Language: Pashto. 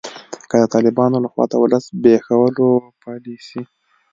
که د طالبانو لخوا د ولس د زبیښولو پالسي